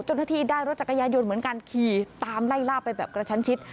เจ้าหน้าที่ได้รถจักรยานยนต์เหมือนกันขี่ตามไล่ล่าไปแบบกระชั้นชิด